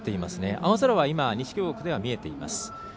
青空は西京極では見えています。